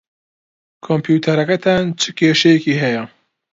کۆمپیوتەرەکەتان چ کێشەیەکی ھەیە؟